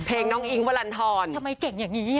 เพลงน้องอิงวัลลันทรทำไมเก่งอย่างนี้